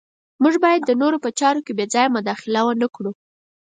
موږ باید د نورو په چارو کې بې ځایه مداخله ونه کړو.